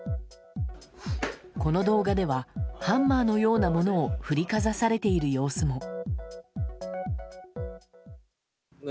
この動画ではハンマーのようなものを振りかざされている様子も。